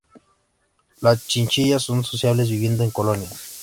Las chinchillas son sociales, viviendo en colonias.